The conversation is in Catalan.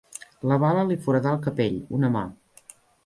La bala li foradà el capell, una mà.